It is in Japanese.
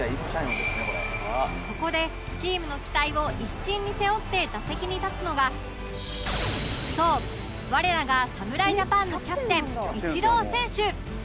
ここでチームの期待を一身に背負って打席に立つのがそう我らが侍ジャパンのキャプテンイチロー選手